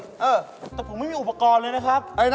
แต่พวกผมไม่มีอุปกรณ์เลยนะครับ